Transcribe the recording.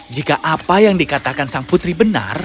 jika apa yang dikatakan sang putri benar